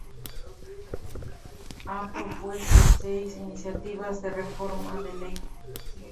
Ha propuesto seis iniciativas de reforma de ley.